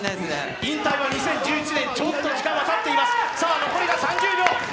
引退は２０１１年、ちょっと時間はたっています。